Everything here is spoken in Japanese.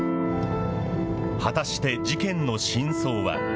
果たして事件の真相は。